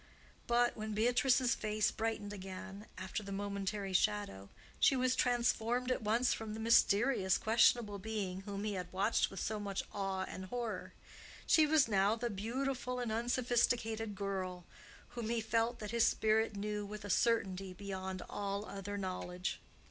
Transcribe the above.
But, when Beatrice's face brightened again after the momentary shadow, she was transformed at once from the mysterious, questionable being whom he had watched with so much awe and horror; she was now the beautiful and unsophisticated girl whom he felt that his spirit knew with a certainty beyond all other knowledge.